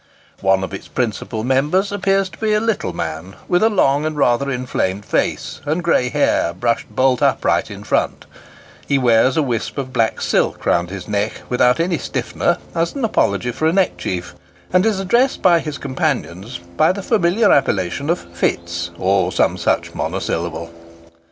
One of its principal members appears to be a little man, with a long and rather inflamed face, and grey hair brushed bolt upright in front ; he wears a wisp of black silk round his neck, without any stiffener, as an apology for a neckerchief, and is addressed by his companions by the familiar appellation of "Fitz," or some such monosyllable.